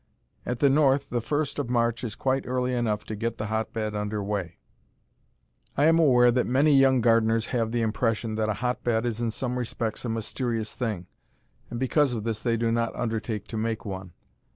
At the North the first of March is quite early enough to get the hotbed under way. I am aware that many young gardeners have the impression that a hotbed is, in some respects, a mysterious thing, and because of this they do not undertake to make one.